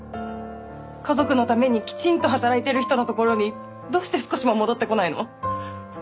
家族のためにきちんと働いてる人のところにどうして少しも戻ってこないの？